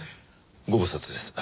ご無沙汰です。